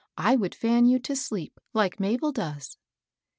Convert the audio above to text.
I would fan you to sleep, like Mabel does."